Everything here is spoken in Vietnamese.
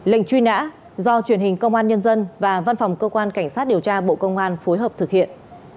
lệnh truy nã do truyền hình công an nhân dân và văn phòng cơ quan cảnh sát điều tra bộ công an phối hợp thực hiện